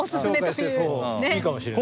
いいかもしれない。